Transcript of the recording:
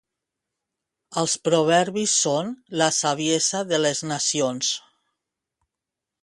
Els proverbis són la saviesa de les nacions.